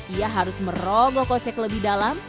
ia harus merogoh kocek lebih dalam